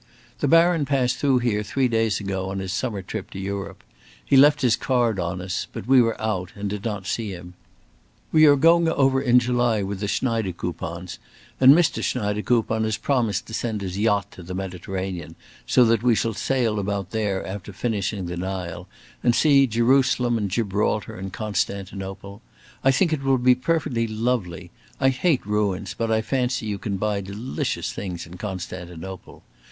The Baron passed through here three days ago on his summer trip to Europe. He left his card on us, but we were out, and did not see him. We are going over in July with the Schneidekoupons, and Mr. Schneidekoupon has promised to send his yacht to the Mediterranean, so that we shall sail about there after finishing the Nile, and see Jerusalem and Gibraltar and Constantinople. I think it will be perfectly lovely. I hate ruins, but I fancy you can buy delicious things in Constantinople.